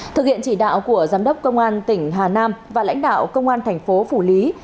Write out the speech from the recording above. thực hiện chỉ đạo của giám đốc công an tỉnh hà nam và lãnh đạo công an thành phố phủ lý